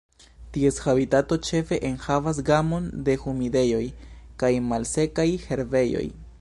Ties habitato ĉefe enhavas gamon de humidejoj kaj malsekaj herbejoj.